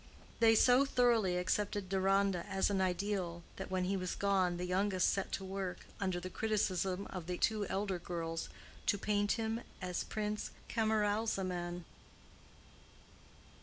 They so thoroughly accepted Deronda as an ideal, that when he was gone the youngest set to work, under the criticism of the two elder girls, to paint him as Prince Camaralzaman.